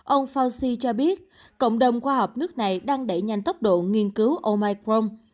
ông fauci cho biết cộng đồng khoa học nước này đang đẩy nhanh tốc độ nghiên cứu omicron